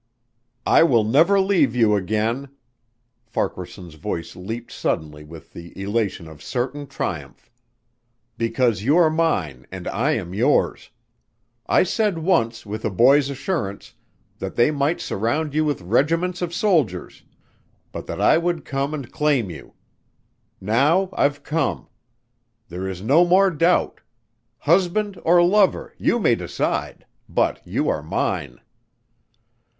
"I will never leave you again." Farquaharson's voice leaped suddenly with the elation of certain triumph. "Because you are mine and I am yours. I said once with a boy's assurance that they might surround you with regiments of soldiers but that I would come and claim you. Now I've come. There is no more doubt. Husband or lover you may decide but you are mine."